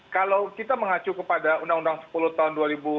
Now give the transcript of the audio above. kalau kita mengacu kepada undang undang sepuluh tahun dua ribu dua